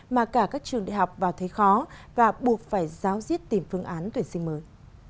mà cả các trường đại học vào thấy khó và buộc phải giáo diết tìm phương án tuyển sinh mới